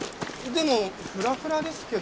でもフラフラですけど。